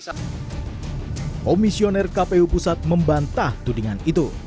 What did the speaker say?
komisioner kpu pusat membantah tudingan itu